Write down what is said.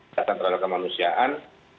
tidak terhadap kemanusiaan